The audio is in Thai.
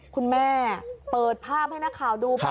คุณแม่เปิดภาพให้นักข่าวดูไป